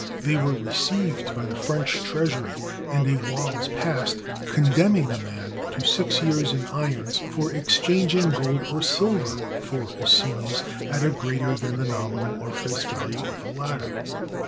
They were received by the French treasury, and a law was passed condemning a man to six years in irons for exchanging gold or silver for assignats at a greater than the nominal or face value of the latter.